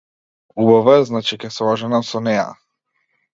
Убава е значи ќе се оженам со неа.